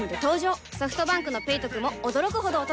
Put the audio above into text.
ソフトバンクの「ペイトク」も驚くほどおトク